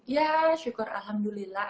ya syukur alhamdulillah